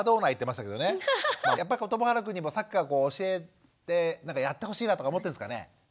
やっぱりともはるくんにもサッカー教えてなんかやってほしいなとか思ってるんですかね？